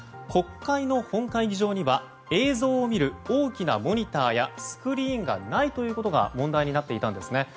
国会の本会議場には映像を見る大きなモニターやスクリーンがないということが問題になっていたんですね。